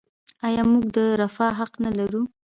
آیا موږ د رفاه حق نلرو؟